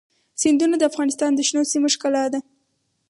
سیندونه د افغانستان د شنو سیمو ښکلا ده.